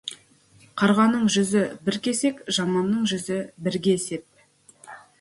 Қарғаның жүзі — бір кесек, жаманның жүзі — бірге есеп.